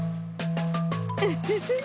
ウフフッ。